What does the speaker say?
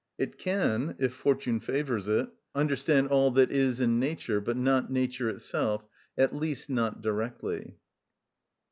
It can, if fortune favours it, understand all that is in nature, but not nature itself, at least not directly.